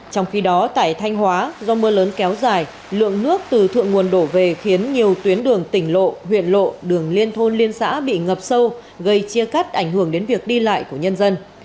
trong khi đó tại thanh hóa do mưa lớn kéo dài lượng nước từ thượng nguồn đổ về khiến nhiều tuyến đường tỉnh lộ huyện lộ đường liên thôn liên xã bị ngập sâu gây chia cắt ảnh hưởng đến việc đi lại của nhân dân